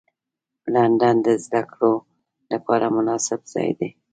لندن د زدهکړو لپاره مناسب ځای دی